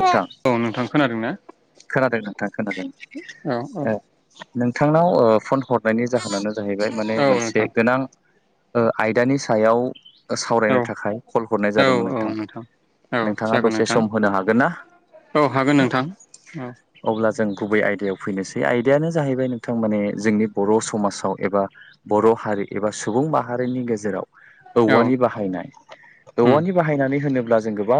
नोंथां औ नोंथां खोनादों ना? खोनादों नोंथां खोनादों औ ओ औ नोंथांनाव ओ फन हर नायनि जाहोनानो जाहैबाय माने औ मोनसे नोंथां गोनां ओ आयदानि सायाव औ सावरायनो थाखाय कल हरनाय औ जादोंमोन औ नोंथां। औ नोंथाङा जागोन दसे नोंथां सम होनो हागोन ना? औ हागोन नोंथां औ। अब्ला जों गुबै आयदायाव फैनोसै आयदायानो जाहैबाय नोंथां माने जोंनि बर' समाजाव एबा बर' हारि एबा सुबुं माहारिनि गेजेराव औ औवानि बाहायनाय उम औवानि बाहायनानै होनो ब्ला जों गोबां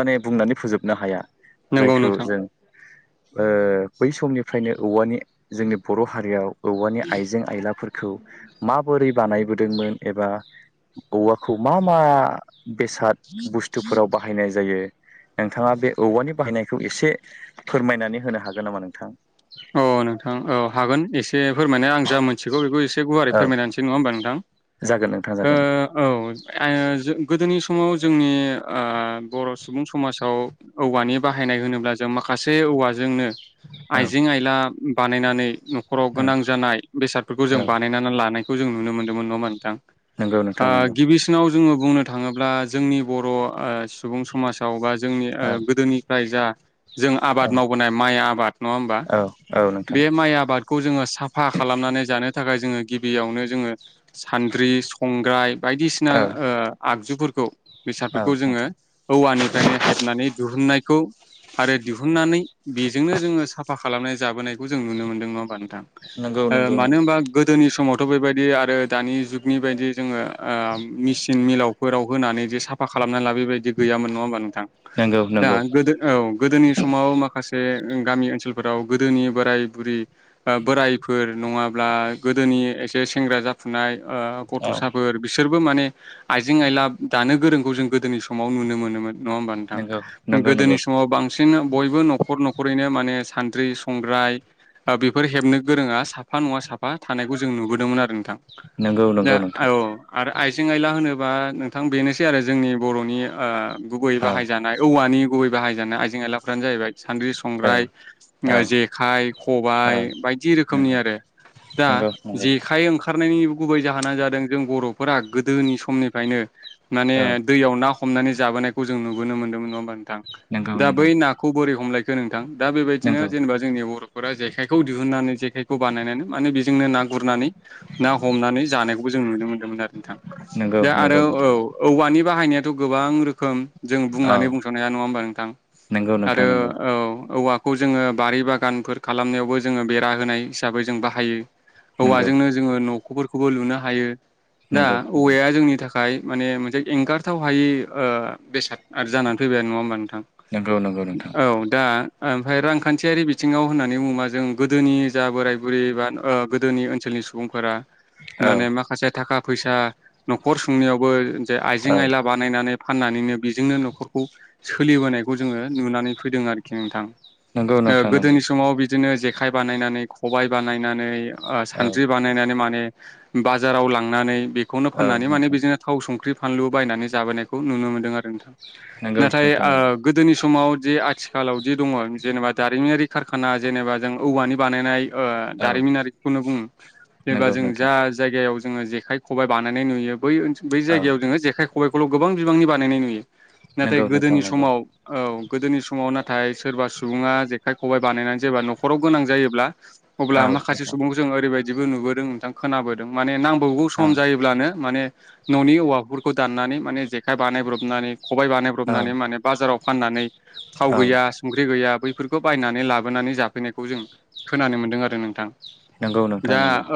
माने बुंनानै फोजोबनो हाया। नोंंगौ। खौ जों ओ बैसमनिफ्रायनो औवानि जोंनि बर' हारियाव औवानि आइजें आइलाफोरखौ माबोरै बानायबोदोंमोन एबा औवाखौ मा मा बेसाद बुस्थुफोराव बाहायनाय जायो नोंथाङा बे औवानि बाहायनाय खौ एसे फोरमायनानै होनो हागोन नामा नोंथां? औ नोंथां औ हागोन एसे फोरमायनाय आं जा मोनथिगौ बेखौ एसे गुवारै फोरमायना होनोसै नङा होमबा नोंथां? जागोन नोंथां जागोन ओ औ आइ जो गोदोनि समाव जोंनि ओ बर' सुबुं समाजाव औवानि बाहायनाय होनोब्ला जों माखासे औवाजोंनो औ आइजें आइला बानायनानै न'खराव औ गोनां जानाय बेसादफोरखौ जों बानायनानै थानायखौ जों नुनो मोनदोंमोन नङा होनबा नोंथां नंगौ नोंथां नंगौ ओ गिबिसिनाव जोङो बुंनो थाङोब्ला जोंनि बर ओ सुबुं समाजाव बा जोंनि ओ औ गोदोनिफ्राय जा जों आबाद मावबोनाय माइ आबाद नङा होमबा औ नोंथां बे माइ आबादखौ जोङो साफा खालामनानै जानो थाखाय जोङो गिबियावनो जोङो सान्द्रि संग्राय बायदिसिना औ ओ आगजुफोरखौ औ बेसादफोरखौ जोङो नोंथां औवानिफ्रायनो हेबनानै दिरुननायखौ आरो दिहुननानै बेजोंनो जोङो साफा खालामनाय जाबोनाय जों नुनो मोनदों नङा नोंथां नंगौ नंगौ मानो होनबा गोदोनि समाव थ' बेबायदि आरो दानि जुगनि बायदि जोङो मिसिन मिलावफोराव होनानै जे साफा खालामनानै लाबो बेबायदि गैयामोन नङा होनबा नोंथां नंगौ दा नंगौ नंगौ गोदो औ गोदोनि समाव माखासे गामि ओनसोलफोराव गोदोनि बोराय बुरि ओ बोरायफोर नङाब्ला गोदोनि एसे सेंग्रा जाफुनाय ओ औ गथ'साफोर बिसोरबो माने आइजें आयला दानो गोरोंखौ जों गोदोनि समाव नुनो मोनोमोन। नङा होमबा नोंथां नंगौ नंगौ नंगौ गोदोनि समाव बांसिन बयबो न'खर न'खरैनो माने सान्द्रि संग्राय ओ बेफोर हेबनो गोरोङा साफा नङा साफा थानायखौ जों नुबोदोंमोन आरो नोंथां नंगौ दा नंगौ नोंथां औ आरो आइजें आइला होनोबा नोंथां बेनोसै आरो जोंनि बर'नि गुबै औ बाहायजानाय औवानि गुबै बाहायजानाय आइजें आइलाफ्रानो जाहैबाय सान्द्रि औ संग्राय औ ओ जेखाइ औ खबायाइ बायदि रोखोमनि नंगौ आरो दा नंगौ नंगौ जेखाइ ओंखार गुबै जाहोना जादों जों बर'फोरा गोदोनि समनिफ्रायनो माने औ दैयाव ना हमनानै जाबोनायखौ जों नुबोनो मोन्दोंमोन नङा होनबा नोंथां नंगौ दा नंगौ बै नाखौ बोरै हमलायखो नोंथां दा बेबायदि दिनो जेनेबा जोंनि बर'फोरा जेखायखौ दिहुननानै जेखायखौ बानायनानै माने बेजोंनो ना गुरनानै ना हमनानै जानायखौबो जों नुनो मोनदोंमोन आरो नोंथां दा नंगौ आरो औ नोंथां औवानि बाहायनायाथ' गोबां रोखोम जों औ बुंनानै बुंस'नो हाया नङा होमबा नोंथां नंगौ नोंथां आरो नंगौ औ औवा खौ जोङो बारि बागानफोर खालामनायावबो जोङो बेरा होनाय हिसाबै जों बाहायो नंगौ औवाजोंनो जोङो न'खफोरखौबो लुनो हायो दा नंगौ औवाया जोंनि थाखाय थाखाय माने मोनसे एंगारथाव हायि ओ बेसाद आरो जानानै फैबाय आरो नङा होमबा नोंथां? नंगौ नंगौ नोंथां औ दा ओमफ्राय रांखान्थियारि बिथिङाव होननानै बुङोबा जों गोदोनि जा बोराय बुरै बा गोदोनि ओनसोलनि सुबुंफोरा औ माने माखासे थाखा फैसा न'खर सुंनायावबो जे औ आइजें आयला बानायनानै फाननानैनो बेजोंनो न'खरखौ सोलिबोनायखौ जोङो नुनानै फैदों आरोखि नोंथां। नंगौ ओ नोंथां नंगौ गोदोनि समाव बिदिनो जेखाय बानायनानै खबाय बानायनानै औ सानद्रि बानायनानै माने बाजाराव लांनानै बेखौनो औ फाननानै माने नोंथां बिदिनो थाव संख्रि फानलु बायनानै जाबोनायखौ नुनो मोनदों आ नोंथां नंगौ नाथाय नोंथां ओ नंगौ गोदोनि समाव जे आथिखालाव जे जेनेबा दारिमिनारि खारखाना जेनेबा जों औवानि बानायनाय ओ औ दारिमिनारिखौनो बुङो जेनेबा नंगौ जों नोंथां जा जायगायाव जोङो जेखाइ खबाय बानायनाय नुयो बै बै औ जायगायाव जोङो जेखाइ खबायखौल' गोबां बिबांनि बानायनाय नुयो नाथाय नंगौ नोंथां गोदोनि नंगौ समाव औ गोदोनि समाव नाथाय सोरबा सुबुङा जेखाइ खबाइ बानायनानै जेबा न'खराव गोनां जायोब्ला अब्ला औ माखासे नोंथां सुबुंखौ जों ओरैबायदिबो नुबोदों नोंथां खोनाबोदों माने नाम बयबो औ सम जायोब्लानो माने न'नि औवाफोरखौ दाननानै माने जेखाइ बानायब्रबनानै खबाय औ बानायब्रबनानै माने बाजाराव फाननानै थाव औ गैया संख्रि गैया बैफोरखौ बायनानै लाबोनानै जाफैनायखौ जों खोनानो मोन्दों आरो नोंथां। नंगौ नोंथां दा नंगौ। औ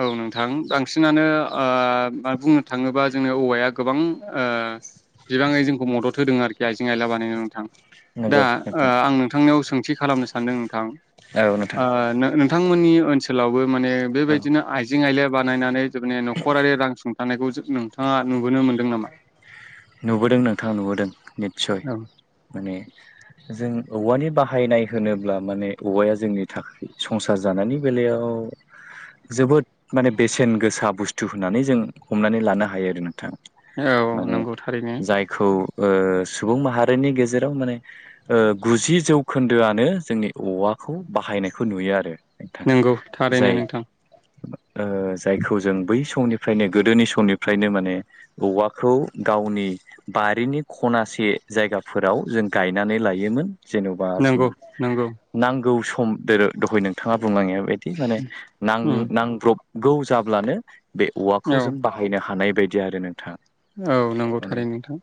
औ नोंथां बांसिनानो ओ बुंनो थाङोबा जोंनि औवाया गोबां ओ बिबाङै जोंखौ मदद होदों आरोखि आइजें आयला बानायनायाव नोंथां। दा नंगौ। ओ नोंथां आं नोंथांनियाव सोंथि खालामनो सान्दों नोंथां औ नोंथां ओ नोंथांमोननि ओनसोलावबो माने औ बेबायदिनो आइजें आइला बानायनानै जोंने न'खरारि रां सुं थानायखौ नोंथाङा नुबोनो मोनदों नामा? नुबोदों नोंथां नुबोदों नितसय औ माने जों औवानि बाहायनाय होनोब्ला माने औवाया जोंनि थाखाय संसार जानायनि बेलायाव जोबोद माने बेसेन गोसा बुस्थु होननानै जों हमनानै लानो हायो आरो नोंथां। औ नंगौ थारैनो। गु ओ सुबुं माहारिनि गेजेराव माने ओ गुजि जौखोन्दोआनो जोंनि अ औवाखौ बाहायनायखौ नुयो आरो। नोंथां नंगौ थारैनो जाय नोंथां। ओ जायखौ जों बै समनिफ्रायनो गोदोनि समनिफ्रायनो माने औवाखौ गावनि बारिनि खनासे जायगाफोराव जों गायनानै लायोमोन। जेन'बा जों नंगौ नंगौ नांगौ सम दोरो दहाय नोंथाङा बुङलाड़िया बिदि नां उम नांब्रबगौ जाब्लानो बे औ औवाखौ जों बाहायनो हानाय बायदि आरो नोंथां। औ माने नंगौथारै नोंथां।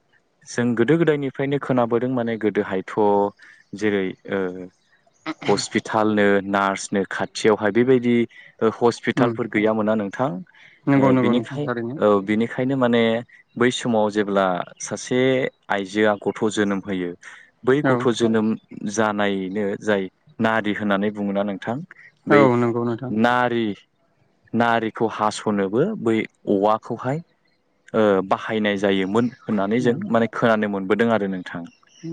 जों गोदो गोदायनिफ्रायनो खोनाबोदों माने गोदोहायथ' जेरै ओ हस्पिटालनो नार्सनो खाथियावहाय बेबायदि ओ उम हस्पिटालफोर गैयामोना नोंथां नंगौ ओ नंगौ नोंथां बिनिखाय थारैनो औ बिनि खायनो माने बै समाव जेब्ला सासे आइजोआ गथ' जोनोम होयो बै औ गथ' जोनोम जानायनो जाय नारि होननानै बुङा नोंथां। औ बै नंगौ नोंथां नारि नारिखौ हास'नोबो बै औवाखौहाय ओ बाहायनाय जायोमोन होननानै जों औ माने खोनानो मोनबोदों आरो नों थां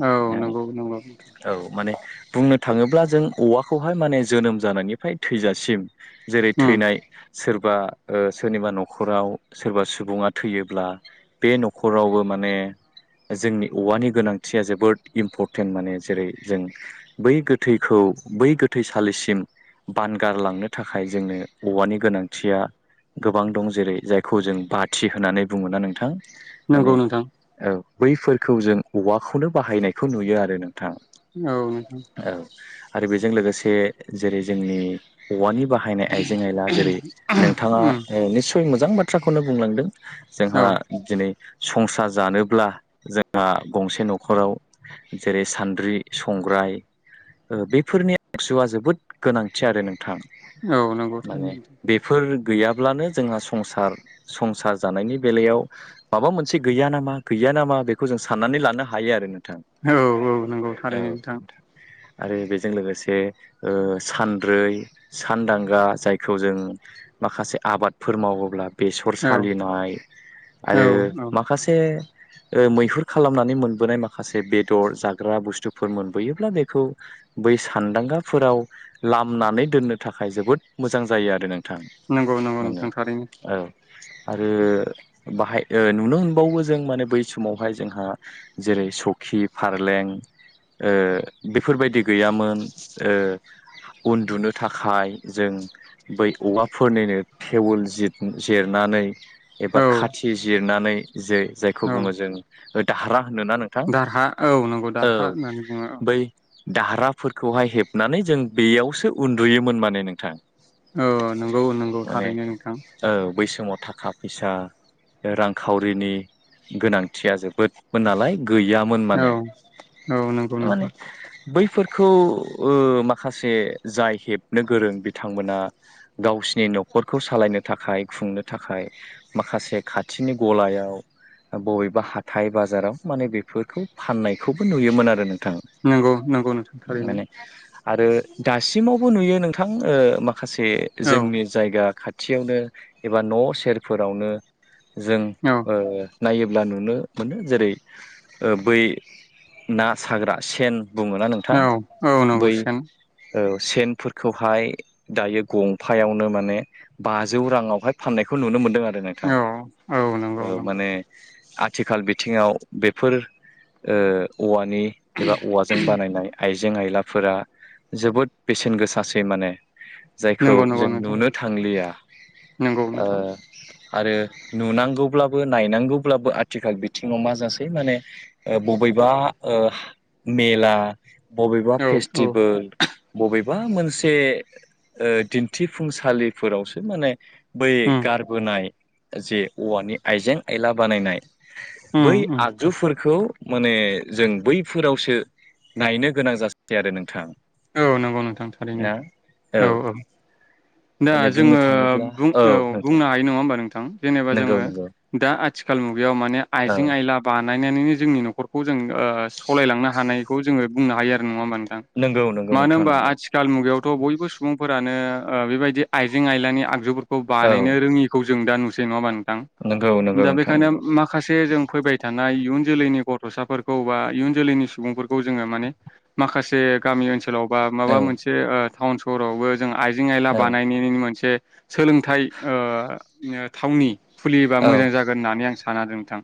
औ नंगौ नंगौ नोंथां औ माने बुंनो थाङोब्ला जों औवाखौहाय माने जोनोम जानायनिफ्राय थैजासिम जेरै उम थैनाय सोरबा ओ सोरनिबा न'खराव सोरबा सुबुङा थैयोब्ला बे न'खरावबो माने जोंनि औवानि गोनांथिया जोबोद इम्परटेन्ट माने जेरै जों बै गोथैखौ बै गोथैसालिसिम बानगारलांनो थाखाय जोंनो औवानि गोनांथिया गोबां दं जेरै जायखौ जों बाथि होननानै बुङोना नों नोंथां माने नंगौ नोंथां औ बैफोरखौ जों औवाखौनो बाहायनायखौ नुयो आरो नों थां औ आरो बेजों लोगोसे जेरै जोंनि औवानि बाहायनाय आइजें -आइला जेरै नोंथाङा उम ओ निसय मोजां बाथ्राखौनो बुंलांदों। जोंहा औ दिनै संसार जानोब्ला जोंहा गंसे न'खराव जेरै सान्द्रि संग्राय ओ बेफोरनि आगजुआ जोबोद गोनांथि आरो नोंथां। औ नंगौ माने थारैनो बेफोर गैयाब्लानो जोंहा संसार संसार जानायनि बेलायाव माबा मोनसे गैया नामा गैया नामा बेखौ जों साननानै लानो हायो आरो नों थां औ औ नंगौ थारैनो नोंथां। आरो बेजों लोगोसे ओ सानद्रै -सानदांगा जायखौ जों माखासे आबादफोर मावोब्ला बेसर औ सालिनाय औ आरो औ माखासे बे मैहुर खालामनानै मोनबोनाय माखासे बेदर जाग्रा बुस्थुफोर मोनबोयोब्ला बेखौ बै सानदांगा फोराव लामनानै दोननो थाखाय जोबोद मोजां जायो आरो नों थां नंगौ नंगौ माने नोंथां थारैनो औ आरो बाहाय ओ नुनो मोनबावो जों माने बै समावहाय जोंहा जेरै सौखि फारलें ओ बेफोर बायदि गैयामोन ओ उन्दुनो थाखाय जों बै औवाफोर निनो फेवल जिर जिरना नै औ खाथि जिरनानै जे जायखौ औ बुङो जों दाहारा। होनोना नोंथां दारहा औ नंगौ दारहा औ होननानै बुङो बै दाहारा फोरखौहाय हेबनानै जों बेयावसो उन्दुयोमोन माने नोंथां। औ नंगौ नंगौ माने थारैनो नोंथां। औ बै समाव थाखा फैसा रां-खावरिनि गोनांथिया जोबोदमोन नालाय। गैयामोन औ माने औ नंगौ माने नोंथां बैफोरखौ ओ माखासे जाय हेबनो गोरों बिथांमोना गाव गावसिनि न'खरखौ सालायनो थाखाय खुंनो थाखाय माखासे खाथिनि गलायाव बबेबा हाथाय बाजाराव माने बेफोरखौ फाननाय खौबो नुयोमोन आरो नोंथां नंगौ नंगौ नोंथां थारैनो माने आरो दासिमाव बो नुयो नोंथां ओ माखासे औ जोंनि जायगा खाथि खाथियावनो एबा न' सेर फोरावनो जों औ ओ नायोब्ला नुनो मोनो जेरै ओ बै ना साग्रा सेन बुङोना नोंथां औ औ नंगौ बै सेन औ सेन फोरखौहाय दायो गंफायावनो माने बाजौ राङाव हाय फाननायखौ नुनो मोनदों आरो। नोंथां औ। औ नंगौ नंगौ माने आथिखाल बिथिङाव बेफोर ओ औवा नि एबा औवाजों बानायनाय आइ जें आइला फोरा जोबोद बेसेन गोसासै माने। जायखौ नंगौ नंगौ जों नोंथां नुनो थांलिया नंगौ ओ नोंथां आरो नुनांगौ ब्लाबो नायनांगौ ब्लाबो आथिखाल बिथिङाव मा जासै माने बबेबा ओ मेला बबेबा औ औ फेस्टिभेल बबेबा मोनसे ओ दिन्थिफुंसालि फोरावसो माने बै उम गारबोनाय जे औवानि आइजें-आयला बानायनाय उम बै उम आगजु फोरखौ माने जों बै फोरावसो नायनो गोनां जासै आरो नोंथां। औ नंगौ नोंथां थारैनो ना औ औ। दा माने बुंनो जोङो थाङोब्ला बुं औ नोंथां बुंनो हायो नङा होमबा नों नोंथां जेनेबा नंगौ जोङो नंगौ दा आथिखाल मुगायाव औ आइजें आइला नायनानैनो जोंनि न'खरखौ जों ओ सलायलांनो हानायखौ जोङो बुंनो हायो आरो नङा होमबा नों नंगौ नोंगौ। मानो होनबा आथिखाल मुगायावथ' बयबो सुबुं फोरानो बेबायदि आइजें आयलानि आगजुफोर खौ औ बानायनो रोङिखौ जों दा नुसै नङा हमबा नोंथां नंगौ नंगौ दा नोंथां बेखायनो नंगौ माखासे जों फैबाय था नाय इयुन जोलैनि गथ'सा फोरखौ बा इयुन जोलैनि सुबुं फोरखौ जोङो माने माखासे गामि ओनोल बा माबा औ मोनसे ओ टाउन सहरावबो जों आइजें आयला औ बानायनायनि मोनसे सोलोंथाइ ओ थावनि खुलियोबा मोजां जागोन होननानै आं सानादों नोंथां।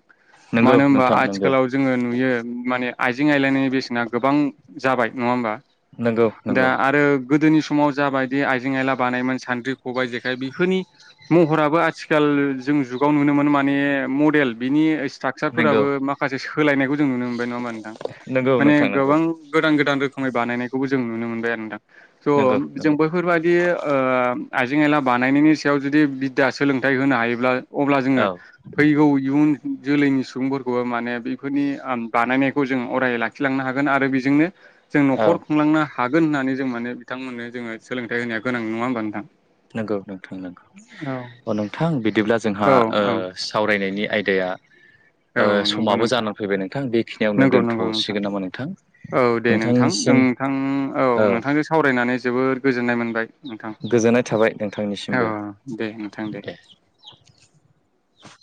नं मानो होनबा आथिखालाव जोङो नुयो माने आइजें आइलायनायनि बेसेना गोबां जाबाय नङा होमबा नंगौ दा नंगौ आरो गोदोनि समाव जा बायदि आइजें आयला बानायोन सान्द्रि खबाइ जेखाय बेफोरनि महराबो आथिखाल जों जुगाव नुनो मोन माने मडेल बेनि नंगौ स्ट्राकसारफोराबो माखासे सोलायनायखौ जों नुनो मोनबाय नङा मा नोंथां। नंगौ माने नोंथां नंगौ गोबां गोदान गोदान रो खोमै बानायनायखौबो जों नुनो मोनबाय आरो नोंथां। नंगौ स' जों नंगौ बैफोरबायदि ओ आइजें आयला बानायनायनि सायाव जुदि बिददा सोलोंथाइ होनो हायोब्ला अब्ला जोङो औ फैगौ इयुन जोलैनि सुबुंफोरखौबो माने बेफोरनि आन बानायनायखौ जों अराय लाखिलांनो हागोन आरो बेजोंनो जों औ न'खर खुंलांनो हागोन होननानै जों माने बिथांमोननो जोङो सोलोंथाइ होनाया गोनां नङा होमबा नोंथां। नंगौ नोंथां नंगौ औ अ नोंथां बिदिब्ला जोंहा औ ओ सावरायनायनि आयदाया ओ नंगौ समाबो नोंथां जानानै फैबाय नोंथां बेखिनियावनो नंगौ नंगौ नोंथां दोनथ'सिगोन नामा नोंथां। औ दे नोंथां नोंथांनिसिम नोंथां औ नोंथांजों सावरायनानै जोबोद गोजोननाय मोन गोजोननाय थाबाय औ नोंथांनिसिमबो दे नोंथां दे। [inaudible]